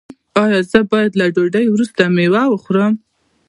ایا زه باید له ډوډۍ وروسته میوه وخورم؟